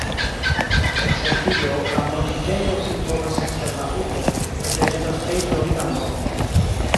Ekster tio, la mortintejo sin trovas ekster la urbo kaj prezentas tre izolitan lokon.